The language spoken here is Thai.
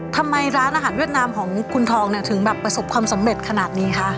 ทำไมร้านอาหารเวียดนามของคุณทองถึงประสบความสำเร็จขนาดนี้คะ